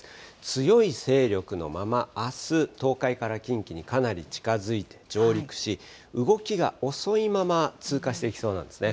強い勢力のまま、あす、東海から近畿にかなり近づいて上陸し、動きが遅いまま通過していきそうなんですね。